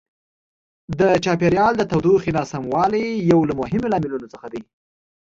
د چاپیریال د تودوخې ناسموالی یو له مهمو لاملونو څخه دی.